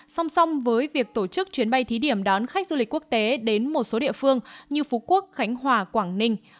song song với việc tổ chức chuyến bay thí điểm đón khách du lịch quốc tế đến một số địa phương như phú quốc khánh hòa quảng ninh